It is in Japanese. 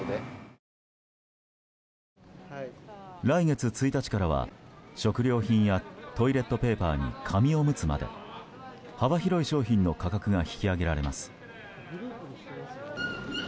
来月１日からは食料品やトイレットペーパーに紙おむつまで、幅広い商品の価格が引き上げられます。